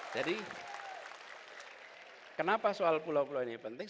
jadi kenapa soal pulau pulau ini penting